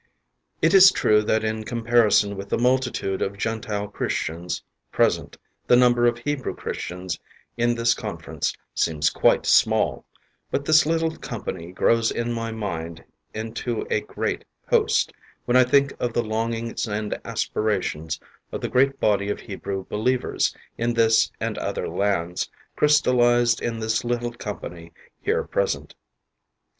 It is true that in comparison with the multitude of Gentile Chris tians present the number of Hebrew Christians in this Confer ence seems quite small, but this little company grows in my mind into a great host, when I think of the longings and aspirations of the great body of Hebrew believers in this and other lands crys talized in this little company here present.